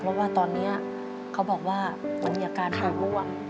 แล้วว่าตอนนี้เขาบอกว่ามีอาการขาบวง